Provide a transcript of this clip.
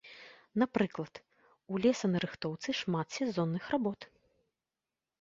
Напрыклад, у лесанарыхтоўцы шмат сезонных работ.